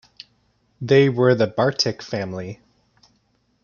They were the Bartik family.